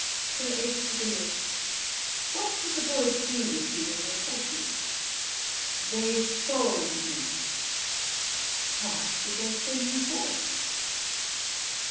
"(Sir H. de Villiers.) What did the Boers do with you when they caught you? They sold me. "How much did they sell you for?